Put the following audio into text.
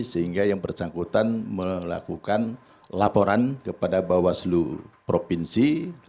sehingga yang bersangkutan melakukan laporan kepada bawah seluruh provinsi